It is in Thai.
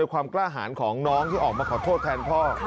ความกล้าหารของน้องที่ออกมาขอโทษแทนพ่อ